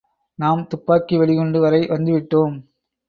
நாம் துப்பாக்கி வெடிகுண்டு வரை வந்துவிட்டோம்.